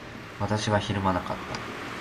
私はひるまなかった。